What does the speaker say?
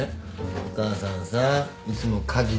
お母さんさいつも家事で大変だろ？